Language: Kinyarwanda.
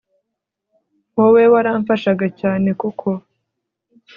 wowe waramfashaga cyane kuko